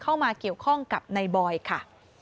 เข้ามาเกี่ยวข้องกับในบอยค่ะ